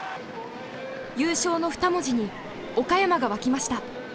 優勝の２文字に岡山が沸きました。